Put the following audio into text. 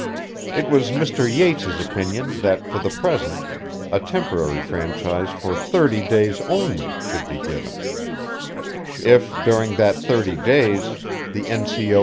It was Mr. Yates' opinion that for the present a temporary franchise for thirty days only should be given; if during that thirty days the N. C. O.